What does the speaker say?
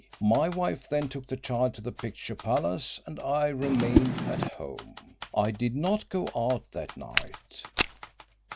My wife then took the child to the picture palace and I remained at home. I did not go out that night.